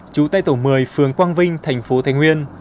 chủ tay tổ một mươi phường quang vinh thành phố thái nguyên